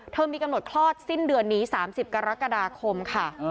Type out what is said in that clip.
มีกำหนดคลอดสิ้นเดือนนี้๓๐กรกฎาคมค่ะ